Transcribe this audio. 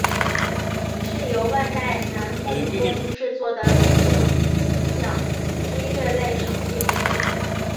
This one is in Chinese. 是由万代南梦宫制作的女性向音乐类手机游戏。